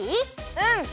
うん！